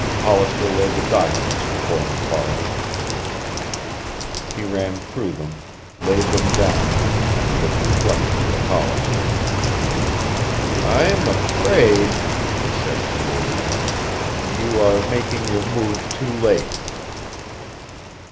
Hollister laid the documents before MacFarlan. He ran through them, laid them down and looked reflectively at Hollister. "I'm afraid," he said slowly, "you are making your move too late."